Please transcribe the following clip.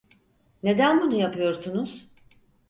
Neden bunu yapıyorsunuz?